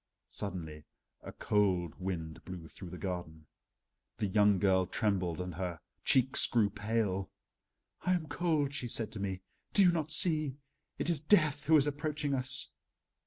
Suddenly a cold wind blew through the garden. The young girl trembled and her cheeks grew pale. "I am cold," she said to me, "do you not see? It is Death who is approaching us."